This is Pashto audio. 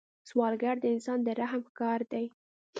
سوالګر د انسان د رحم ښکار دی